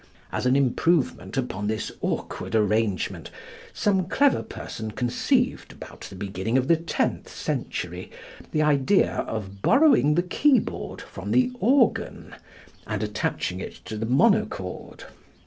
As an improvement upon this awkward arrangement some clever person conceived about the beginning of the tenth century, the idea of borrowing the keyboard from the organ and attaching it to the monochord.